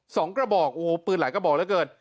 สองกระบอกโอ้โหปืนหลายกระบอกแล้วเกิด